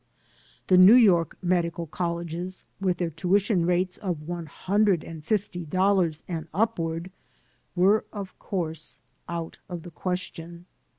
The New York medical colleges, with their tuition rates of one hundred and fifty dollars and up ward, were, of course, out of the question.